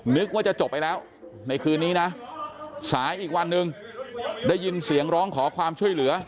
นึกว่าจะจบไปแล้วในคืนนี้นะสายอีกวันหนึ่งได้ยินเสียงร้องขอความช่วยเหลือ